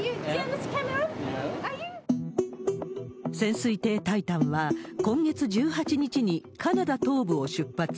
潜水艇タイタンは、今月１８日にカナダ東部を出発。